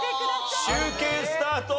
集計スタート！